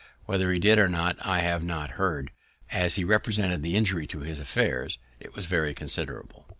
Whether he did or not, I never heard; but, as he represented the injury to his affairs, it was very considerable.